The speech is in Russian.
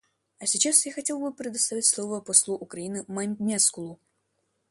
А сейчас я хотел бы предоставить слово послу Украины Маймескулу.